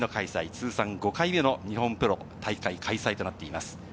通算５回目の日本プロ大会開催となっています。